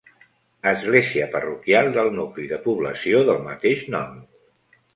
Església parroquial del nucli de població del mateix nom.